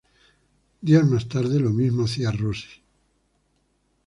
Días más tarde, lo mismo hacía Rossi.